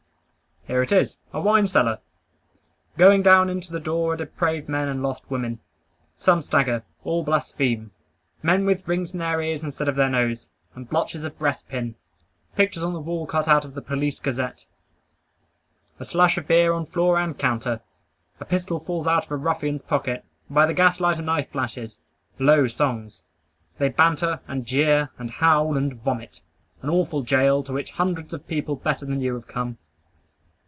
Here it is a wine cellar. Going into the door are depraved men and lost women. Some stagger. All blaspheme. Men with rings in their ears instead of their nose; and blotches of breast pin. Pictures on the wall cut out of the Police Gazette. A slush of beer on floor and counter. A pistol falls out of a ruffian's pocket. By the gas light a knife flashes. Low songs. They banter, and jeer, and howl, and vomit. An awful goal, to which hundreds of people better than you have come.